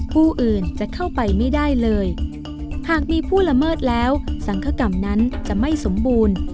ผู้อื่นจะเข้าไปไม่ได้เลยหากมีผู้ละเมิดแล้วสังคกรรมนั้นจะไม่สมบูรณ์